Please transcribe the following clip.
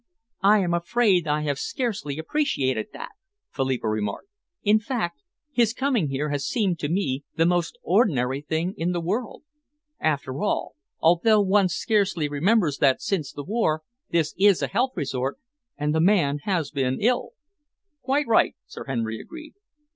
"I am afraid I have scarcely appreciated that," Philippa remarked; "in fact, his coming here has seemed to me the most ordinary thing in the world. After all, although one scarcely remembers that since the war, this is a health resort, and the man has been ill." "Quite right," Sir Henry agreed.